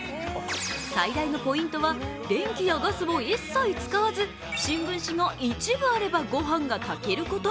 最大のポイントは電気やガスを一切使わず、新聞紙が１部あれば、ごはんが炊けること。